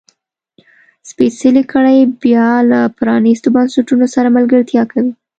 سپېڅلې کړۍ بیا له پرانیستو بنسټونو سره ملګرتیا کوي.